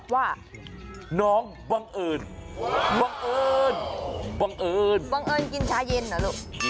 ว่าน้องบังเอิญบังเอิญกินชาเย็นเหรอลูก